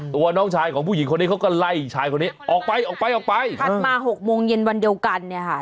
ตัวน้องชายของผู้หญิงคนนี้เขาก็ไล่ชายคนนี้ออกไปออกไปถัดมาหกโมงเย็นวันเดียวกันเนี่ยค่ะ